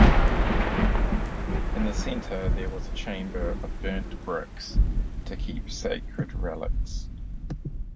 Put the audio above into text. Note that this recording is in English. In the centre there was a chamber of burnt-bricks to keep sacred relics.